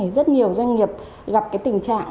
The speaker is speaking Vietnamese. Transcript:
rất nhiều doanh nghiệp gặp cái tình trạng